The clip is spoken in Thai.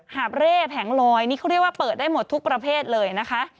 หาบเร่แผงลอยนี่เขาเรียกว่าเปิดได้หมดทุกประเภทเลยนะคะ